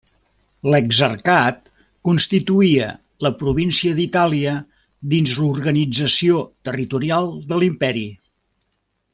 L'exarcat constituïa la província d'Itàlia dins l'organització territorial de l'imperi.